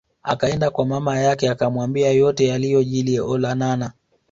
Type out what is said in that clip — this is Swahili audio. Akaenda kwa mama yake akamwambia yote yaliyojili Olonana